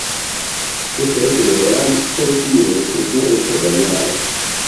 Queste reti neuronali sono simili alle strutture del cervello umano.